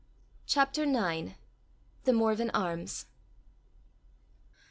CHAPTER IX. THE MORVEN ARMS.